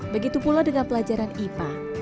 begitu pula dengan pelajaran ipa